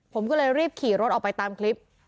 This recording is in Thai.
ผมก็เลยรีบขี่รถออกไปตามคลิป